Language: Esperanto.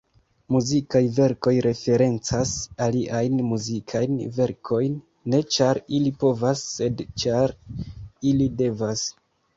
Muzikaj verkoj referencas aliajn muzikajn verkojn, ne ĉar ili povas, sed ĉar ili devas.